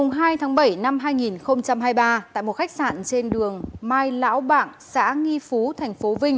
ngày hai tháng bảy năm hai nghìn hai mươi ba tại một khách sạn trên đường mai lão bảng xã nghi phú thành phố vinh